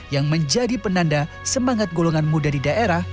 yang menjadi penanda semangat golongan muda di daerah